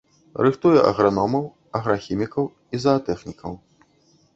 Рыхтуе аграномаў, аграхіміка і заатэхнікаў.